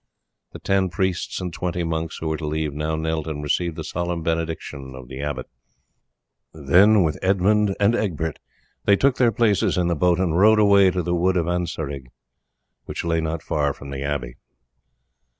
The ten priests and twenty monks who were to leave now knelt, and received the solemn benediction of the abbot, then, with Edmund and Egbert, they took their places in the boat and rowed away to the wood of Ancarig, which lay not far from the abbey.